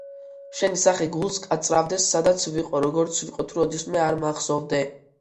შენი სახე გულს კაწრავდეს, სადაც ვიყო, როგორც ვიყო, თუ როდისმე არ მახსოვდე